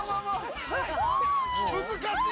難しい！